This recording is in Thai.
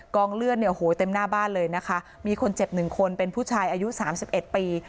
กองเลือดเนี่ยโอ้โหเต็มหน้าบ้านเลยนะคะมีคนเจ็บ๑คนเป็นผู้ชายอายุ๓๑ปี